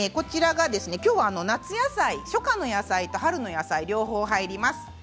きょうは、夏野菜初夏の野菜と春野菜両方入ります。